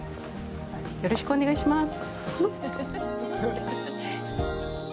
よろしくお願いします。